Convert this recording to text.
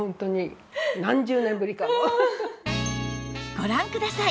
ご覧ください！